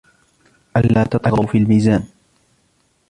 أَلَّا تَطْغَوْا فِي الْمِيزَانِ